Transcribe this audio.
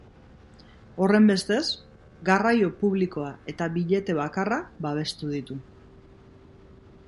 Horrenbestez, garraio publikoa eta bilete bakarra babestu ditu.